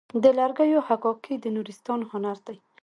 د لرګیو حکاکي د نورستان هنر دی.